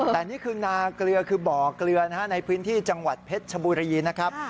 แต่นี่คือนาเกลือคือบ่อเกลือนะฮะในพื้นที่จังหวัดเพชรชบุรีนะครับ